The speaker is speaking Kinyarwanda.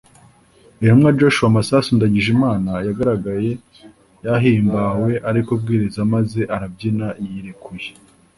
Intuma Joshua Masasu Ndagijimana yagaragaye yahimbawe ari kubwiriza maze arabyina yirekuye